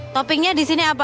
toppingnya di sini apa